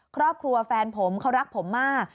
ครอบครัวแฟนผมเขารักผมมาก